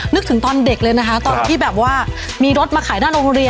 นึกถึงตอนเด็กเลยนะคะตอนที่แบบว่ามีรถมาขายหน้าโรงเรียน